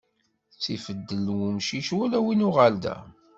Ttif ddel n wumcic, wala win uɣerda.